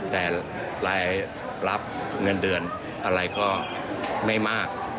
แต่รายรับเงินเดือนอะไรก็ไม่มาก